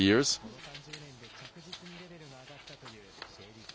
この３０年で着実にレベルが上がったというＪリーグ。